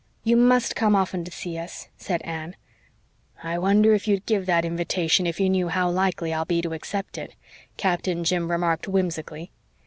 "You must come often to see us," said Anne. "I wonder if you'd give that invitation if you knew how likely I'll be to accept it," Captain Jim remarked whimsically.